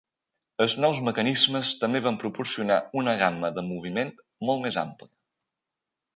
Els nous mecanismes també van proporcionar una gama de moviment molt més amplia.